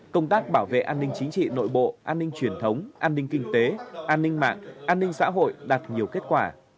công tác bảo vệ an ninh chính trị nội bộ an ninh truyền thống an ninh kinh tế an ninh mạng an ninh xã hội đạt nhiều kết quả